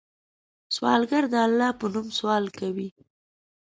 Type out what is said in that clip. سوالګر د الله په نوم سوال کوي